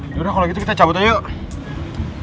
yaudah kalau gitu kita cabut aja yuk